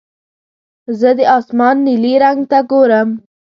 زه د اسمان نیلي رنګ ته ګورم.